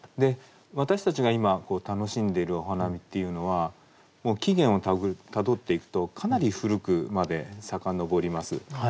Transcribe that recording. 私たちが今楽しんでるお花見っていうのは起源をたどっていくとかなり古くまで遡ります。